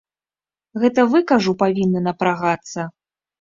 Гэта вы, кажу, павінны напрагацца.